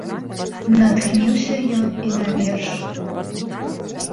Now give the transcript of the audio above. Натхніўся ён і на верш.